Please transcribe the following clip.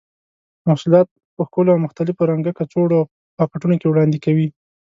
محصولات په ښکلو او مختلفو رنګه کڅوړو او پاکټونو کې وړاندې کوي.